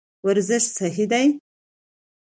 ورزش صحي دی.